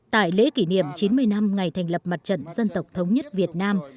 tại lễ kỷ niệm chín mươi năm ngày thành lập mặt trận dân tộc thống nhất việt nam